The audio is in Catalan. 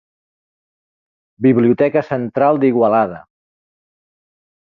Biblioteca Central d’Igualada.